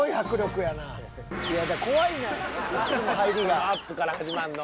そのアップから始まるの。